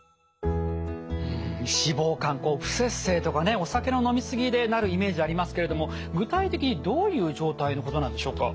お酒の飲みすぎでなるイメージありますけれども具体的にどういう状態のことなんでしょうか？